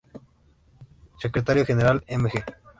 Secretario General: Mg.